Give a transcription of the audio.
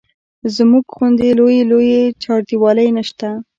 زموږ غوندې لویې لویې چاردیوالۍ نه شته.